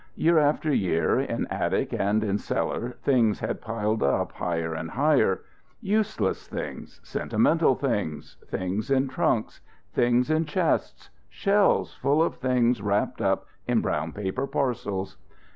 Year after year, in attic and in cellar, things had piled up higher and higher useless things, sentimental things; things in trunks; things in chests; shelves full of things wrapped up in brown paper parcels.